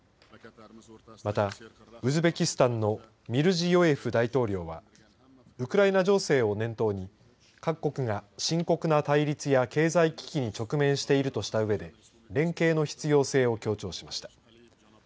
また、ウズベキスタンのミルジヨエフ大統領はウクライナ情勢を念頭に各国が深刻な対立や経済危機に直面しているとしたうえで連携の必要性を強調しました。